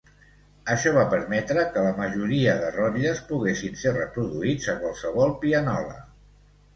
Això va permetre que la majoria de rotlles poguessin ser reproduïts a qualsevol pianola.